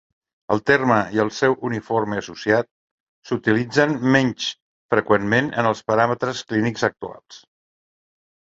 El terme i el seu uniforme associat s'utilitzen menys freqüentment en els paràmetres clínics actuals.